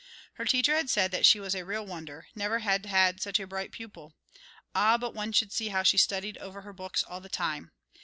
Her teacher had said that she was a real wonder; never had had such a bright pupil. Ah, but one should see how she studied over her books all the time.